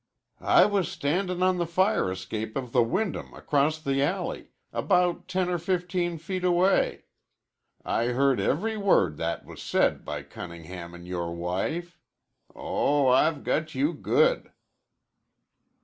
"I was standin' on the fire escape of the Wyndham across the alley about ten or fifteen feet away. I heard every word that was said by Cunningham an' yore wife. Oh, I've got you good."